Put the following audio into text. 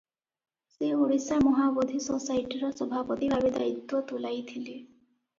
ସେ ଓଡ଼ିଶା ମହାବୋଧି ସୋସାଇଟିର ସଭାପତି ଭାବେ ଦାୟିତ୍ୱ ତୁଲାଇଥିଲେ ।